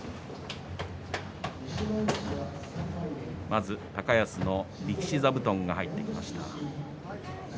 まず高安の力士座布団が入ってきました。